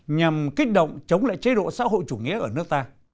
nhằm kích động chống lại chế độ xã hội chủ nghĩa ở nước ta